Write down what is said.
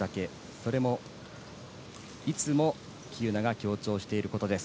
それも、いつも喜友名が強調してることです。